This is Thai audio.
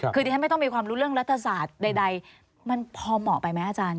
คือดิฉันไม่ต้องมีความรู้เรื่องรัฐศาสตร์ใดมันพอเหมาะไปไหมอาจารย์